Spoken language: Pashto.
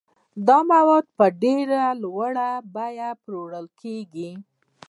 دا مواد په ډېره لوړه بیه پلورل کیږي.